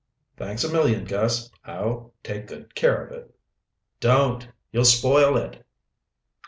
"Thanks a million, Gus. I'll take good care of it." "Don't. You'll spoil it."